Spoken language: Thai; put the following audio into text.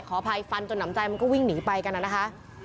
อภัยฟันจนหนำใจมันก็วิ่งหนีไปกันนะคะ